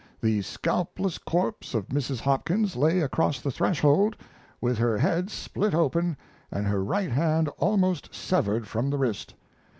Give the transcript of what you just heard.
The scalpless corpse of Mrs. Hopkins lay across the threshold, with her head split open and her right hand almost severed from the wrist.